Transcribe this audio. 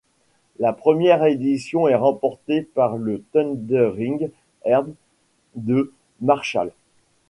La première édition est remportée par le Thundering Herd de Marshall.